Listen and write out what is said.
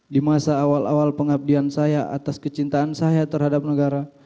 di masa awal awal pengabdian saya atas kecintaan saya terhadap negara